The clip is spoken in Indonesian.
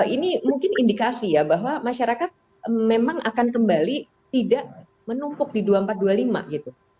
ini mungkin indikasi ya bahwa masyarakat memang akan kembali tidak menumpuk di dua ribu empat ratus dua puluh lima gitu